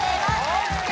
ＯＫ！